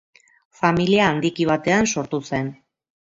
Familia handiki batean sortu zen.